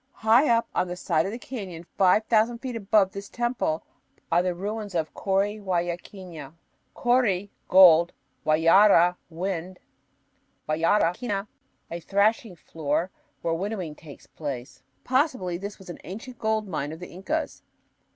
High up on the side of the canyon, five thousand feet above this temple, are the ruins of Corihuayrachina (kori = "gold"; huayara = "wind"; huayrachina = "a threshing floor where winnowing takes place." Possibly this was an ancient gold mine of the Incas.